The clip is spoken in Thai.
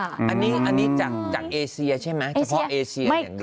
อันนี้จากเอเซียใช่ไหมเฉพาะเอเชียอย่างนั้น